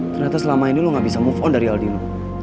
ternyata selama ini lo gak bisa move on dari aldino